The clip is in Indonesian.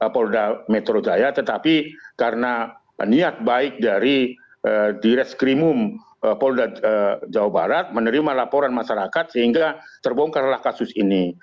polda metro jaya tetapi karena niat baik dari di reskrimum polda jawa barat menerima laporan masyarakat sehingga terbongkarlah kasus ini